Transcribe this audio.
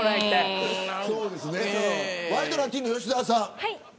ワイドナティーンの吉澤さん。